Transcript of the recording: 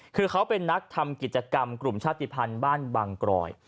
คือเขาเป็นนักทำกิจกรรมกลุ่มชาติภัณฑ์บ้านบางกรอย